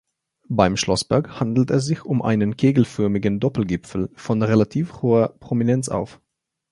Beim Schlossberg handelt es sich um einen kegelförmigen Doppelgipfel von relativ hoher Prominenz auf.